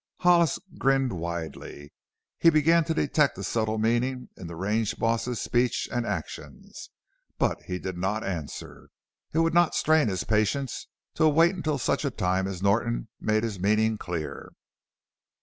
Hollis grinned widely; he began to detect a subtle meaning in the range boss's speech and actions. But he did not answer; it would not strain his patience to await until such a time as Norton made his meaning clear.